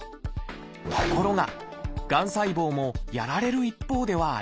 ところががん細胞もやられる一方ではありません。